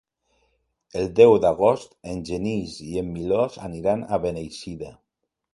El deu d'agost en Genís i en Milos aniran a Beneixida.